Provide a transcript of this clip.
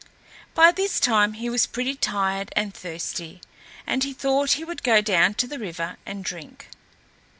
By this time he was pretty tired and thirsty, and he thought he would go down to the river and drink.